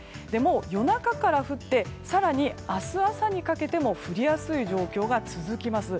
夜中から降って更に明日朝にかけても降りやすい状況が続きます。